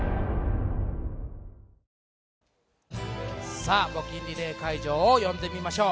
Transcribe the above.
さあ、募金リレー会場を呼んでみましょう。